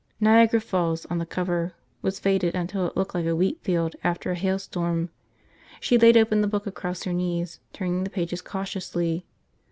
Niagara Falls, on the cover, was faded until it looked like a wheatfield after a hailstorm. She laid open the book across her knees, turning the pages cautiously.